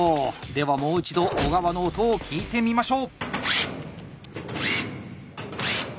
ではもう一度小川の音を聞いてみましょう。